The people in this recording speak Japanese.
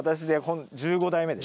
１５代目！